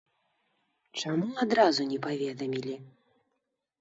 Чаму адразу не паведамілі?